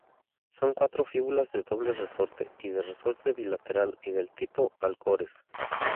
Son cuatro fíbulas de doble resorte, de resorte bilateral y del tipo Alcores.